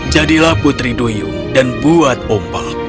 jadilah putri duyung dan buat ombak